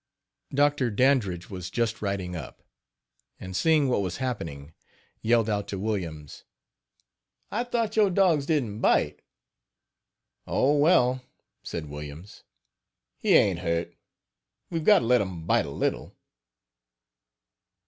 Dr. Dandridge was just riding up, and seeing what was happening, yelled out to Williams: "I thought your dogs didn't bite." "Oh! well," said Williams, "he aint hurt we've got to let 'em bite a little.